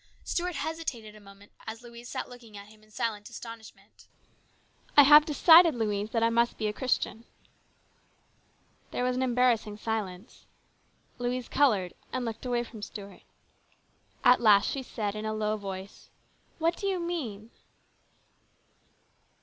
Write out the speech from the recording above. Stuart hesitated a moment as Louise sat looking at him in silent astonishment. " I have decided, Louise, that I must be a Christian." There was an embarrassing silence. Louise coloured and looked away from Stuart. At last she said in a low voice, " What do you mean